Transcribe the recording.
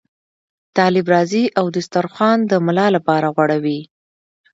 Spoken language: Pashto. طالب راځي او دسترخوان د ملا لپاره غوړوي.